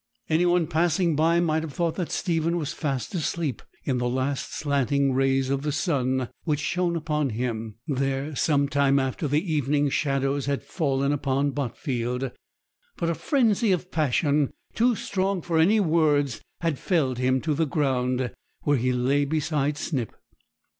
Any one passing by might have thought that Stephen was fast asleep in the last slanting rays of the sun, which shone upon him there some time after the evening shadows had fallen upon Botfield; but a frenzy of passion, too strong for any words, had felled him to the ground, where he lay beside Snip.